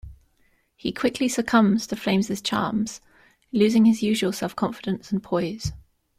He quickly succumbs to Flame's charms, losing his usual self-confidence and poise.